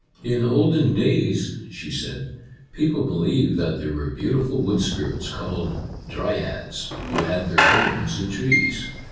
" In olden days/' she said, " people believed that there were beautiful wood spirits, called dryads, who had their homes in trees.